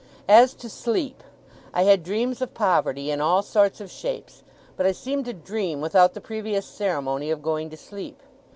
As to sleep, I had dreams of poverty in all sorts of shapes, but I seemed to dream without the previous ceremony of going to sleep.